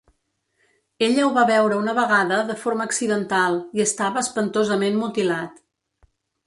Ella ho va veure una vegada de forma accidental i estava espantosament mutilat.